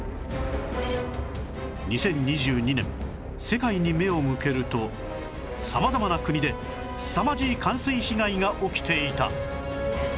２０２２年世界に目を向けると様々な国ですさまじい冠水被害が起きていた